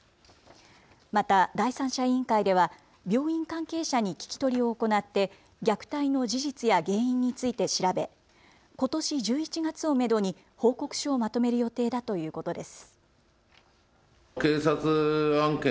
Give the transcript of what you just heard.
また第三者委員会では病院関係者に聞き取りを行って虐待の事実や原因について調べことし１１月をめどに報告書をまとめる予定だということです。